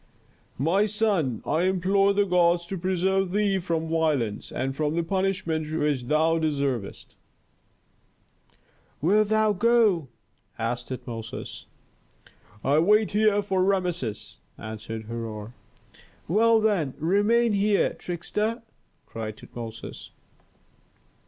"My son, I implore the gods to preserve thee from violence, and from the punishment which thou deservest." "Wilt thou go?" asked Tutmosis. "I wait here for Rameses," answered Herhor. "Well, then, remain here, trickster!" cried Tutmosis.